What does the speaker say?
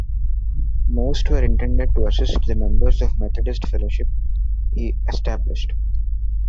Most were intended to assist the members of the Methodist fellowships he established.